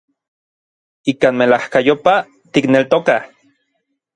Ikan melajkayopaj tikneltokaj.